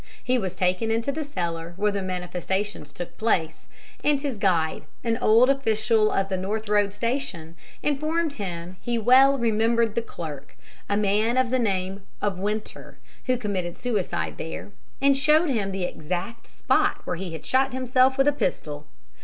He was taken into the cellar where the manifestations took place, and his guide, an old official of the North Road Station, informed him he well remembered the clerk a man of the name of Winter who committed suicide there, and showed him the exact spot where he had shot himself with a pistol.